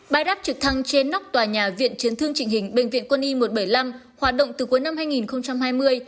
bài đáp trực thăng trên nóc tòa nhà viện chấn thương trình hình bệnh viện quân y một trăm bảy mươi năm hoạt động từ cuối năm hai nghìn hai mươi